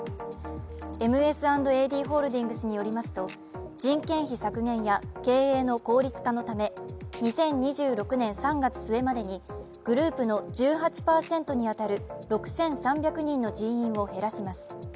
ＭＳ＆ＡＤホールディングスによりますと人件費削減や経営の効率化のため２０２６年３月末までにグループの１８％に当たる６３００人の人員を減らします。